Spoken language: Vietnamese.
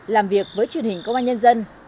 làm việc với truyền hình công an nhân dân